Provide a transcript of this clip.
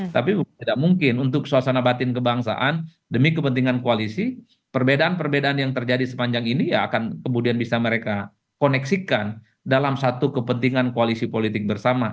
tapi tidak mungkin untuk suasana batin kebangsaan demi kepentingan koalisi perbedaan perbedaan yang terjadi sepanjang ini ya akan kemudian bisa mereka koneksikan dalam satu kepentingan koalisi politik bersama